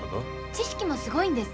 知識もすごいんです。